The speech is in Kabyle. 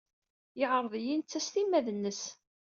Yeɛreḍ-it netta s timmad-nnes.